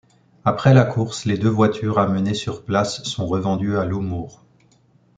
Après la course, les deux voitures amenées sur place sont revendues à Lou Moore.